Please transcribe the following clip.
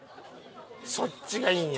そっちがいいんや。